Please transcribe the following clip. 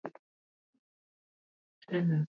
kinyago hicho kilichochongwa na wenye pesa